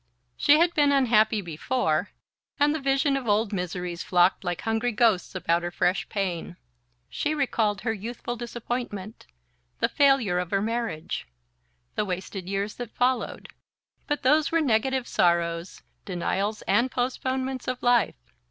She had been unhappy before, and the vision of old miseries flocked like hungry ghosts about her fresh pain: she recalled her youthful disappointment, the failure of her marriage, the wasted years that followed; but those were negative sorrows, denials and postponements of life.